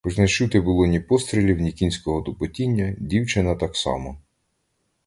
Хоч не чути було ні пострілів, ні кінського тупотіння, дівчина так само.